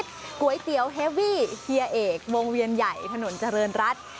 ก๋วยเตี๋ยวเฮวี่เฮียเอกวงเวียนใหญ่ถนนเจริญรัฐ